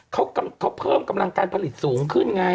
เขาเพิ่มกำลังการผลิตสูงขึ้นไง